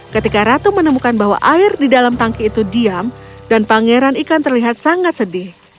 ketika ratu menemukan bahwa air di dalam tangki itu diam dan pangeran ikan terlihat sangat sedih